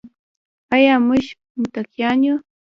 آیا موږ متقیان یو؟